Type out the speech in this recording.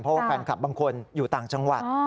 เพราะว่าแฟนคลับบางคนอยู่ต่างจังหวัด